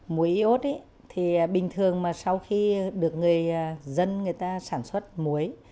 mối iốt thì bình thường mà sau khi được người dân người ta sản xuất mối